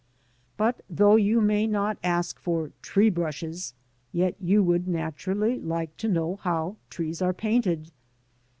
But though you may not ask for '* tree brushes,'' yet you would naturally like to know how trees are painted.